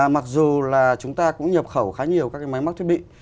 mặc dù là chúng ta cũng nhập khẩu khá nhiều các cái máy móc thiết bị